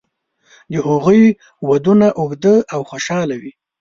د هغوی ودونه اوږده او خوشاله وي.